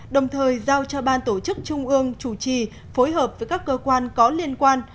đồng thời giao cho ban tổ chức trung ương chủ trì phối hợp với các cơ quan có liên quan